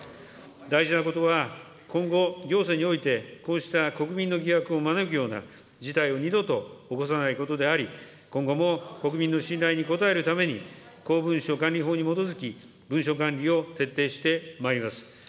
大事なことは今後、行政において、こうした国民の疑惑を招くような事態を二度と起こさないことであり、今後も国民の信頼に応えるために公文書管理法に基づき、文書管理を徹底してまいります。